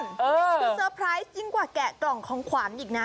คือเซอร์ไพรส์ยิ่งกว่าแกะกล่องของขวัญอีกนะ